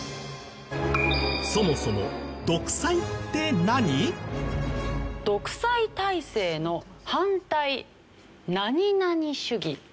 そもそも独裁体制の反対何々主義。